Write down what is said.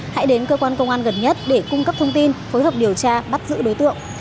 hãy đến cơ quan công an gần nhất để cung cấp thông tin phối hợp điều tra bắt giữ đối tượng